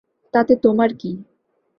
তাতে তোমার কী?